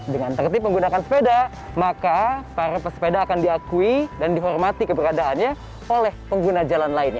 dengan tertib menggunakan sepeda maka para pesepeda akan diakui dan dihormati keberadaannya oleh pengguna jalan lainnya